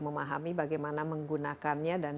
memahami bagaimana menggunakannya dan